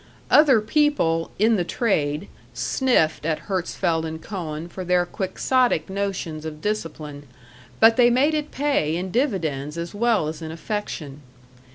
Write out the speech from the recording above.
Other people "in the trade" sniffed at Herzfeld and Cohn for their Quixotic notions of discipline, but they made it pay in dividends as well as in affection.